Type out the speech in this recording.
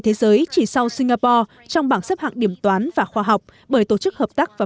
thế giới chỉ sau singapore trong bảng xếp hạng điểm toán và khoa học bởi tổ chức hợp tác và